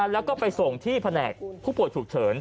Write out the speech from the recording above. แล้วก็ไปส่งที่แผนกผู้ป่วยฉุกเฉิน